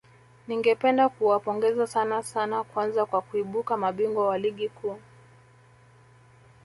Ningependa kuwapongeza sana sana kwanza kwa kuibuka mabingwa na ligi kuu